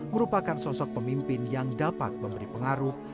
merupakan sosok pemimpin yang dapat memberi pengaruh